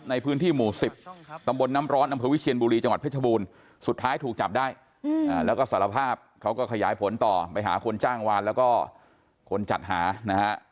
ในพื้นที่หมู่๑๐ตำบลน้ำร้อนอำเภอวิเชียนบุรีจังหวัดเพชรบูรณ์สุดท้ายถูกจับได้แล้วก็สารภาพเขาก็ขยายผลต่อไปหาคนจ้างวานแล้วก็คนจัดหานะฮะ